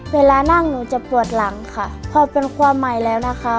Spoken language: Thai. เวลานั่งหนูจะปวดหลังค่ะพอเป็นความใหม่แล้วนะคะ